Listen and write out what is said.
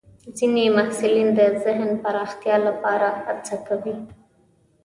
ځینې محصلین د ذهن پراختیا لپاره هڅه کوي.